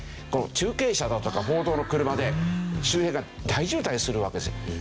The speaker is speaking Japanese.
中継車だとか報道の車で周辺が大渋滞するわけですよ。